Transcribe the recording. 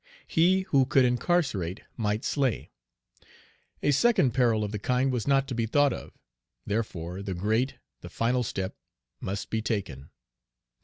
He who could incarcerate might slay. A second peril of the kind was not to be thought of; therefore, the great, the final step must be taken.